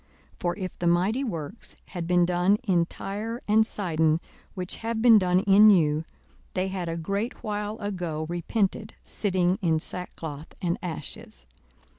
for if the mighty works had been done in Tyre and Sidon, which have been done in you, they had a great while ago repented, sitting in sackcloth and ashes.